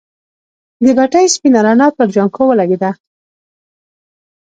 د بتۍ سپينه رڼا پر جانکو ولګېده.